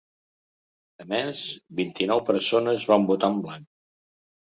A més, vint-i-nou persones van votar en blanc.